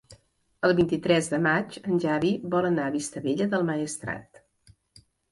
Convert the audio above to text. El vint-i-tres de maig en Xavi vol anar a Vistabella del Maestrat.